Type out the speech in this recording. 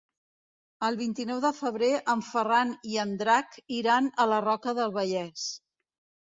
El vint-i-nou de febrer en Ferran i en Drac iran a la Roca del Vallès.